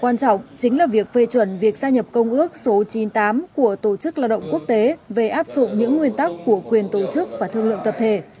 quan trọng chính là việc phê chuẩn việc gia nhập công ước số chín mươi tám của tổ chức lao động quốc tế về áp dụng những nguyên tắc của quyền tổ chức và thương lượng tập thể